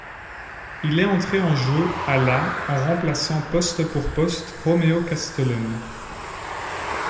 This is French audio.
Il est entré en jeu à la en remplaçant poste pour poste Romeo Castelen.